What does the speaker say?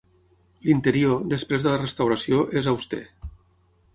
L'interior, després de la restauració, és auster.